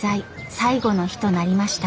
最後の日となりました。